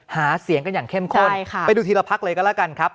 หาเสียงกันอย่างเข้มข้นไปดูทีละพักเลยก็แล้วกันครับ